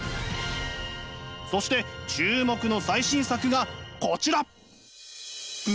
そして注目の最新作がこちら！